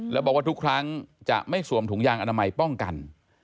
แล้วบอกว่าทุกครั้งจะไม่สวมถุงยางอนามัยป้องกัน